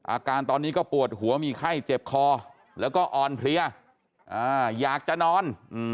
อาการตอนนี้ก็ปวดหัวมีไข้เจ็บคอแล้วก็อ่อนเพลียอยากจะนอน